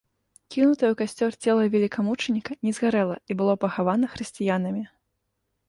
Кінутае ў касцёр цела велікамучаніка не згарэла і было пахавана хрысціянамі.